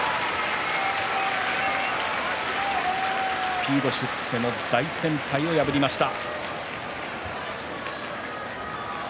スピード出世の大先輩を破りました。